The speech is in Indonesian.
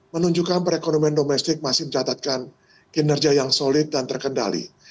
menunjukkan perekonomian domestik masih mencatatkan kinerja yang solid dan terkendali